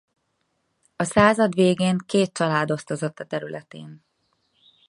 A század végén két család osztozott a területén.